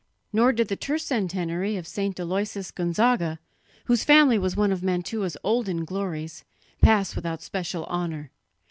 Nor did the tercentenary of St. Aloysius Gonzaga, whose family was one of Mantua's olden glories, pass without special honour.